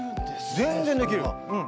全然できる。